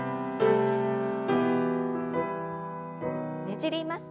ねじります。